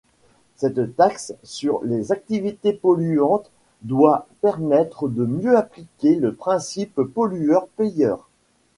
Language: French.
Cette taxe sur les activités polluantes doit permettre de mieux appliquer le principe pollueur-payeur.